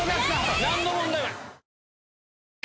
何の問題もない。